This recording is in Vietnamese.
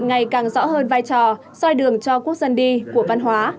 hội nghị này càng rõ hơn vai trò soi đường cho quốc dân đi của văn hóa